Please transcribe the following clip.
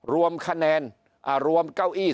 รวมคะแนนรวมเก้าอี้